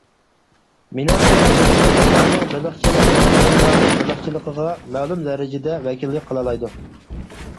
مېنىڭچە لوپنۇرلۇقلارنىڭ بېلىقچىلىقى ئۇيغۇرلارنىڭ بېلىقچىلىقىغا مەلۇم دەرىجىدە ۋەكىللىك قىلالايدۇ.